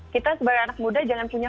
kita sebagai anak muda jangan punya